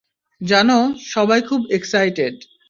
জানো, সবাই খুব এক্সাইটেড।